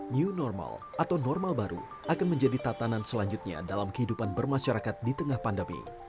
new normal atau normal baru akan menjadi tatanan selanjutnya dalam kehidupan bermasyarakat di tengah pandemi